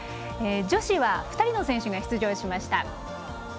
女子は２人の選手が出場しました。